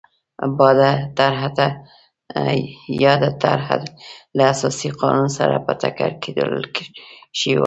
یاده طرحه له اساسي قانون سره په ټکر کې بلل شوې وه.